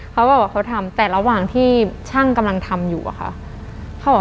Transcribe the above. เขาบอกว่าเขาทำแต่ระหว่างที่ช่างกำลังทำอยู่อะค่ะ